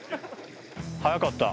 早かった。